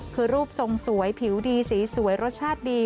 คือรูปทรงสวยผิวดีสีสวยรสชาติดี